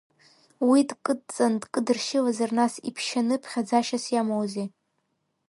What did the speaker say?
Уи дкыдҵан дкыдыршьылазар нас иԥшьаны ԥхьаӡашьас иамоузеи?